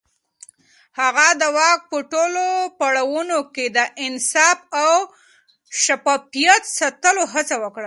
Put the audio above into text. هغه د واک په ټولو پړاوونو کې د انصاف او شفافيت ساتلو هڅه وکړه.